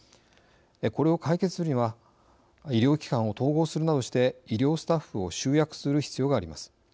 これを解決するには医療機関を統合するなどして医療スタッフを集約する必要があります。